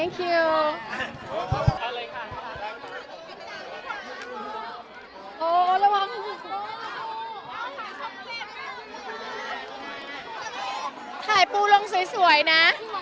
ขอบคุณค่ะ